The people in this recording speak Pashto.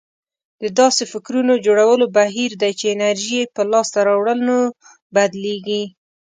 دا داسې فکرونه جوړولو بهير دی چې انرژي يې په لاسته راوړنو بدلېږي.